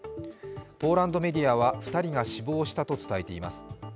ポーランドメディアは、２人が死亡したと伝えています。